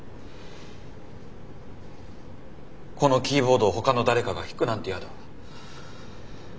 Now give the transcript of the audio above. このキーボードをほかの誰かが弾くなんて嫌だ。